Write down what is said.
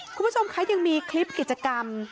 คุณผู้ชมคะยังมีคลิปกิจกรรม